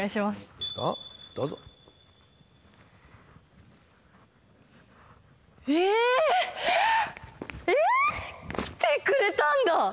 いいですかどうぞえっえっ来てくれたんだ